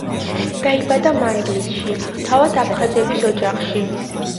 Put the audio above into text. დაიბადა მანგლისში, თავად აფხაზების ოჯახში.